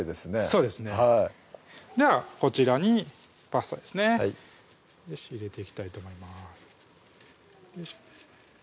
そうですねではこちらにパスタですね入れていきたいと思います